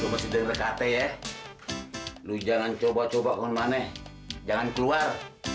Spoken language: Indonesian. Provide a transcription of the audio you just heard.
lo mesti denger kata ya lo jangan coba coba kemana jangan keluar